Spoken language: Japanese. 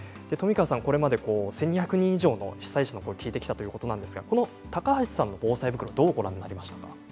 これまで冨川さんは１２００人以上の被災者の声を聞かれたということですが高橋さんの防災袋はどうご覧になりましたか？